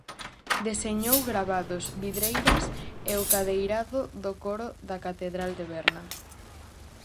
Deseñou gravados, vidreiras e o cadeirado do coro da catedral de Berna.